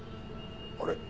あれ？